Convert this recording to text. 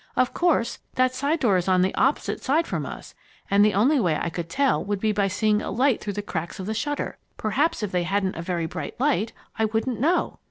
Of course, that side door is on the opposite side from us, and the only way I could tell would be by seeing a light through the cracks of the shutter. Perhaps if they hadn't had a very bright light, I wouldn't know."